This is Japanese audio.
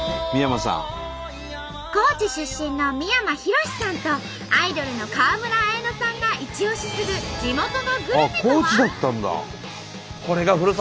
高知出身の三山ひろしさんとアイドルの川村文乃さんがイチオシする地元のグルメとは？